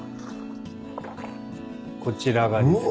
こちらがですね。